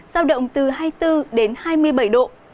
giao động từ hai mươi bốn đến hai mươi bảy độ